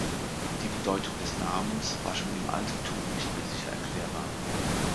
Die Bedeutung des Namens war schon im Altertum nicht mehr sicher erklärbar.